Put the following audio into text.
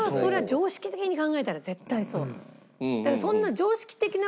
常識的に考えたら絶対そう。